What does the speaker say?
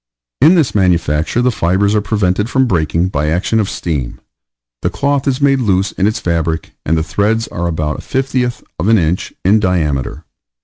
In this manufacture the fibers are prevented from breaking by action of steam, the cloth is made loose in its fabric, and the threads are about the fiftieth of an inch in diameter.